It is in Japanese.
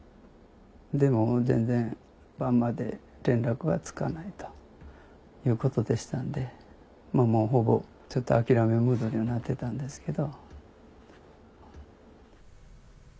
でも全然晩まで連絡はつかないということでしたんでもうほぼ諦めムードにはなってたんですけど。